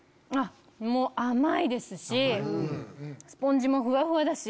甘いですしスポンジもふわふわだし。